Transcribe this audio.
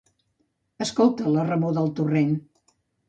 Escolta la remor del torrent.